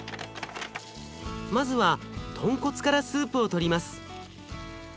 まずは豚骨からスープをとります。